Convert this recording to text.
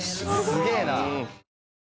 すげえな。